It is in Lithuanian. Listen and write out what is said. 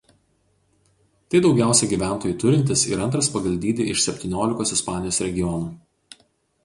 Tai daugiausia gyventojų turintis ir antras pagal dydį iš septyniolikos Ispanijos regionų.